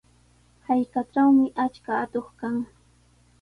Hallqatrawmi achka atuq kan.